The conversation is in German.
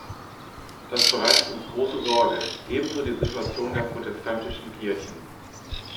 Das bereitet uns große Sorge, ebenso die Situation der protestantischen Kirchen.